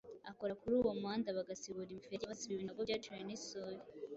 akora kuri uwo muhanda bagasibura imiferege, basiba ibinogo byaciwe n’isuri.